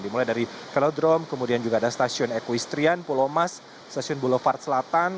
dimulai dari kelaudrom kemudian juga ada stasiun equestrian pulomas stasiun boulevard selatan